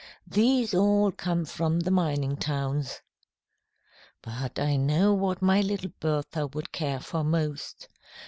These all come from the mining towns. "But I know what my little Bertha would care for most.